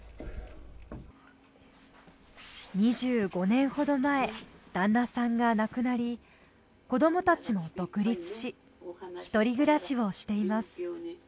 ２５年ほど前旦那さんが亡くなり子どもたちも独立し一人暮らしをしています。